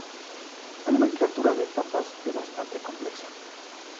A nomenclatura de etapas é bastante complexa.